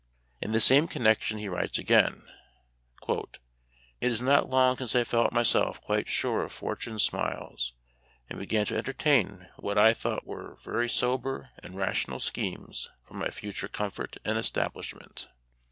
In the same connection he writes again :" It is not long since I felt myself quite sure of for tune's smiles, and began to entertain what I thought very sober and rational schemes for my future comfort and establishment.